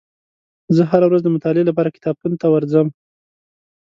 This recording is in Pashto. زه هره ورځ د مطالعې لپاره کتابتون ته ورځم.